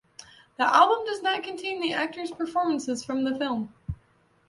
The album does not contain the actors' performances from the film.